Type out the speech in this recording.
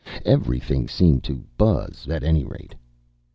Everything seemed to buzz, at any rate.